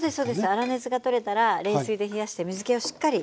粗熱が取れたら冷水で冷やして水けをしっかり絞ってあげます。